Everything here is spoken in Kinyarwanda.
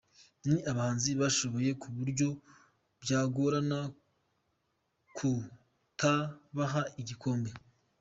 Ni abahanzi bashoboye ku buryo byagorana kutabaha igikombe.